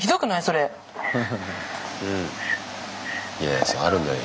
いやあるんだよ